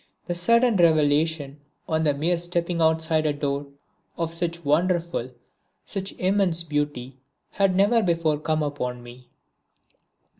The sudden revelation, on the mere stepping outside a door, of such wonderful, such immense beauty had never before come upon me.